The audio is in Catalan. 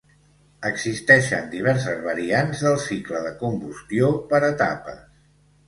Existeixen diverses variants del cicle de combustió per etapes.